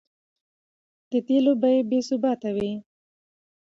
د تېلو بیې بې ثباته وې؛